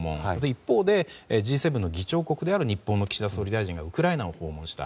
一方で、Ｇ７の議長国である日本の岸田総理大臣がウクライナを訪問した。